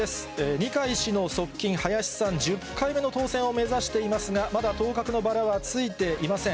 二階氏の側近、林さん、１０回目の当選を目指していますが、まだ当確のバラはついていません。